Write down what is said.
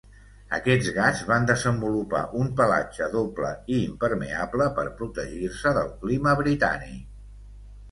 Aquests gats van desenvolupar un pelatge doble i impermeable per protegir-se del clima britànic.